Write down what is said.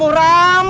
gak ada jalinan